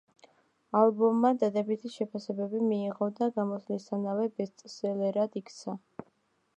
ალბომმა დადებითი შეფასებები მიიღო და გამოსვლისთანავე ბესტსელერად იქცა.